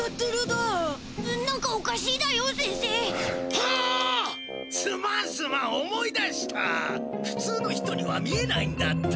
ふつうの人には見えないんだった。